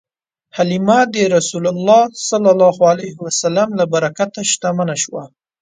حلیمه د رسول الله ﷺ له برکته شتمنه شوه.